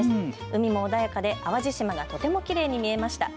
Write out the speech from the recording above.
海も穏やかで淡路島がとてもきれいに見えました。